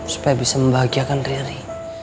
supaya bisa membahagiakan riri